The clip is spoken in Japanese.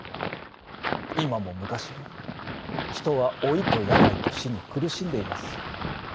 今も昔も人は老いと病と死に苦しんでいます。